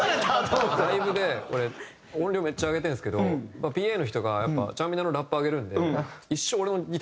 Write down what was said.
ライブで俺音量めっちゃ上げてるんですけどＰＡの人がやっぱちゃんみなのラップ上げるので。